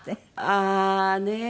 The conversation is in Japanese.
ああねっ。